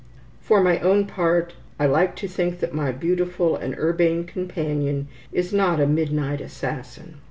For my own part, I like to think that my beautiful and urbane companion is not a midnight assassin.